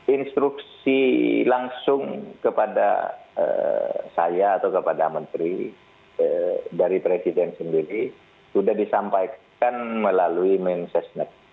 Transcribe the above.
instruksi langsung kepada saya atau kepada menteri dari presiden sendiri sudah disampaikan melalui mensesnek